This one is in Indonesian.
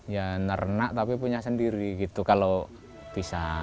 ya nernak tapi punya sendiri gitu kalau bisa